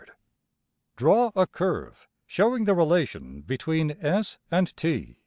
Draw a curve showing the relation between $s$~and~$t$.